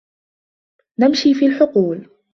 نَمْشِي فِي الْحُقُولِ.